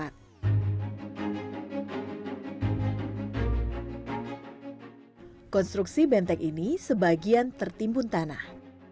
konstruksi benteng ini sebagian tertimbun tanah